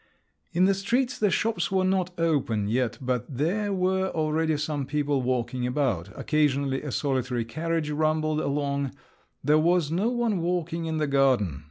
In the streets the shops were not open yet, but there were already some people walking about; occasionally a solitary carriage rumbled along … there was no one walking in the garden.